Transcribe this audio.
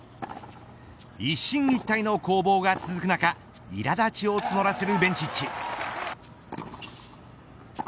一進一退の攻防が続く中苛立ちを募らせるベンチッチ。